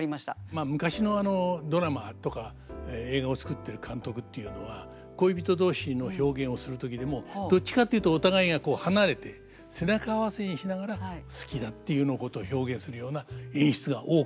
まあ昔のドラマとか映画を作ってる監督っていうのは恋人同士の表現をする時でもどっちかっていうとお互いがこう離れて背中合わせにしながら「好きだ」っていうようなことを表現するような演出が多かったです。